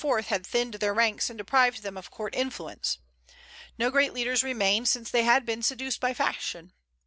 had thinned their ranks and deprived them of court influence. No great leaders remained, since they had been seduced by fashion.